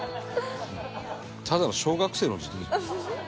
ただの小学生の字だよ。